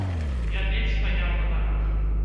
Я ледзь стаяў на нагах.